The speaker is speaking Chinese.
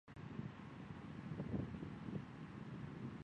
建筑二层和三层为大展厅。